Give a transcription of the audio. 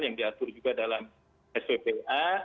yang diatur juga dalam sppa